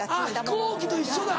あっ飛行機と一緒だ。